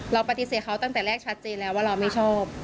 เราปฏิเสธเขาตั้งแต่แรกชัดเจนแล้วว่าเราไม่ชอบ